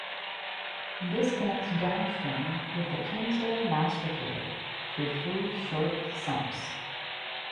This connects downstream with the "Kingsdale Master Cave" through three short sumps.